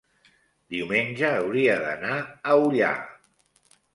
diumenge hauria d'anar a Ullà.